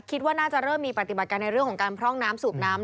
คิดว่าน่าจะเริ่มมีปฏิบัติการในเรื่องของการพร่องน้ำสูบน้ำ